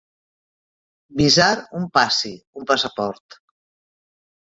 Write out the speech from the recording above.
Visar un passi, un passaport.